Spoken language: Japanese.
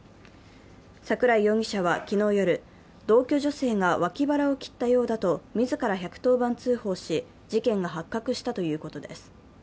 桜井容疑者は昨日夜、同居女性が脇腹を切ったようだと自ら１１０番通報し、事件が発覚したということです。